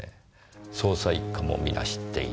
捜査一課もみな知っている。